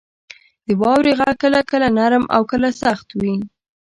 • د واورې غږ کله کله نرم او کله سخت وي.